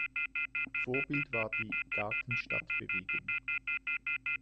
Vorbild war die Gartenstadtbewegung.